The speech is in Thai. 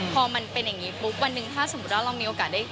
พอมันเป็นอย่างนี้ปุ๊บวันหนึ่งถ้าสมมุติว่าเรามีโอกาสได้